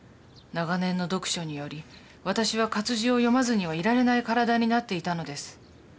長年の読書により私は活字を読まずにはいられない体になっていたのです。